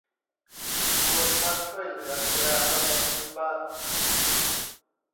รวมทั้งช่วยเหลือดูแลประมงพื้นบ้าน